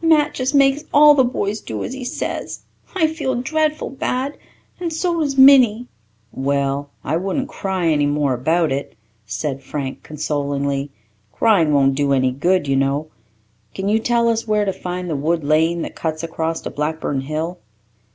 Matt just makes all the boys do as he says. I feel dreadful bad, and so does Minnie." "Well, I wouldn't cry any more about it," said Frank consolingly. "Crying won't do any good, you know. Can you tell us where to find the wood lane that cuts across to Blackburn Hill?"